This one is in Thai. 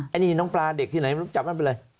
อันนี้น้องปลาเด็กที่ไหนจับมันไปเลย